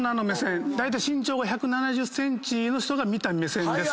だいたい身長が１７０ｃｍの人が見た目線です。